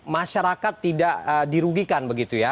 masyarakat tidak dirugikan begitu ya